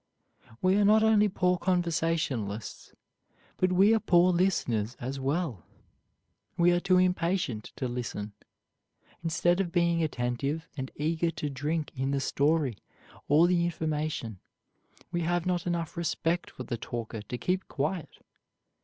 We are not only poor conversationalists, but we are poor listeners as well. We are too impatient to listen. Instead of being attentive and eager to drink in the story or the information, we have not enough respect for the talker to keep quiet.